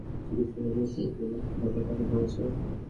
তাদের মধ্যে হৃদয় মিয়াকে চিকিৎসার জন্য শনিবার রাতে ঢাকায় পাঠানো হয়েছে।